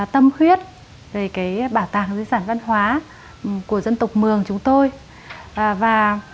tâm huyết về cái bảo tàng dưới sản văn hóa của dân tộc mường chúng tôi và qua những cái việc làm như là anh ấy là